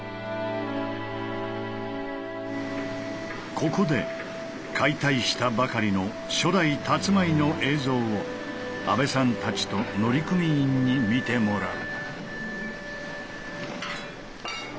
ここで解体したばかりの初代たつまいの映像を阿部さんたちと乗組員に見てもらう。